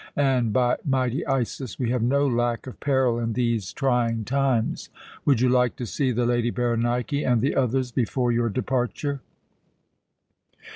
And by mighty Isis! we have no lack of peril in these trying times. Would you like to see the lady Berenike and the others before your departure?"